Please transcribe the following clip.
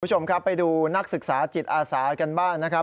คุณผู้ชมครับไปดูนักศึกษาจิตอาสากันบ้างนะครับ